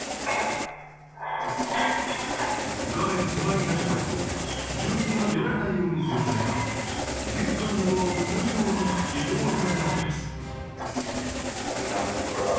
画面手前にあったバイクを住民が出られないようにするためか玄関のドアを塞ぐように移動させたのです。